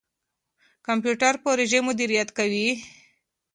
کمپيوټر پروژې مديريت کوي.